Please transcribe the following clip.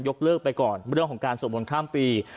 เลิกไปก่อนเรื่องของการสวดมนต์ข้ามปี